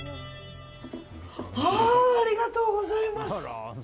ありがとうございます。